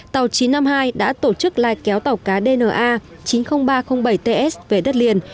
tàu chín trăm năm mươi hai đã tổ chức lai kéo tàu cá dna chín mươi nghìn ba trăm linh bảy ts về đất liền